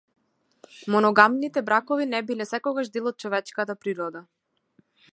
Моногамните бракови не биле секогаш дел од човечката природа.